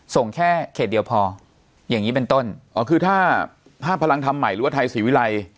ส่งแค่เขตเดียวพออย่างงี้เป็นต้นอ๋อคือถ้าถ้าพลังทำใหม่หรือว่าไทยศรีวิรัย